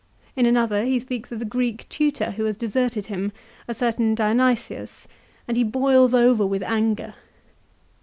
In another he speaks of a Greek tutor who has deserted him, a certain Dionysius, and he boils over with anger.